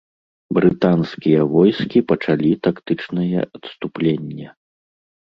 Брытанскія войскі пачалі тактычнае адступленне.